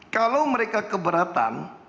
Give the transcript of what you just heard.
kalau mereka keberatan